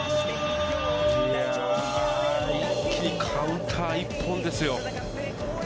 一気にカウンター１本ですよ。